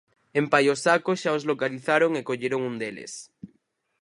En Paiosaco xa os localizaron e colleron un deles.